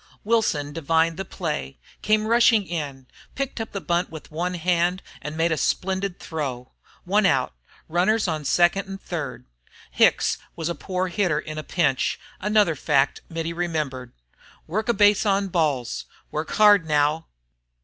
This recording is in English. Wilson divined the play, came rushing in, picked up the bunt with one hand, and made a splendid throw. One out, runners on second and third! Hicks was a poor hitter in a pinch, another fact Mittie remembered. "Work a base on balls. Work hard, now!"